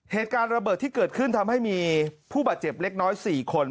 เหตุการณ์ระเบิดที่เกิดขึ้นทำให้มีผู้บาดเจ็บเล็กน้อย๔คน